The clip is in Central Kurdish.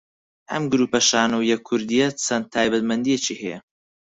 ئەم گروپە شانۆیییە کوردییە چەند تایبەتمەندییەکی هەیە